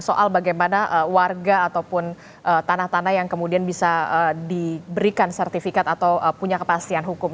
soal bagaimana warga ataupun tanah tanah yang kemudian bisa diberikan sertifikat atau punya kepastian hukum